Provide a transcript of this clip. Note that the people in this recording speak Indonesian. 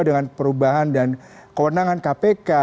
dengan perubahan dan kewenangan kpk